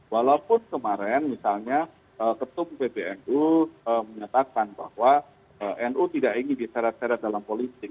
walaupun kemarin misalnya ketum pbnu menyatakan bahwa nu tidak ingin diseret seret dalam politik